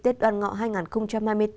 tết đoàn ngọc hai nghìn hai mươi bốn